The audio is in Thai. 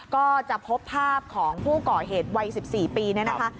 ก็จะพบภาพของผู้ก่อเหตุวัย๑๔ปีเนี่ยนะคะ